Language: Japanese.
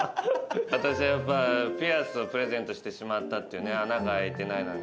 私やっぱピアスをプレゼントしてしまったっていうね穴が開いてないのに。